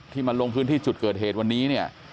ที่มาโรงพื้นที่จุดเกิดเหตุวันนี้เทะ